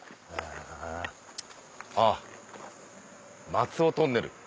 あっ松尾トンネル。